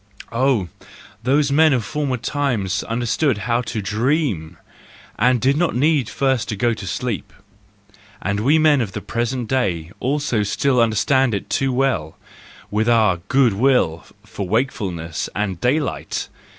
Oh, those men of former times understood how to dream i, and did not need first to go to sleep!—and we men of the present day also still understand it too well, with all our good will for wakefulness and daylight!